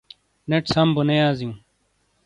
نیٹ سَم بو نے یازیوں۔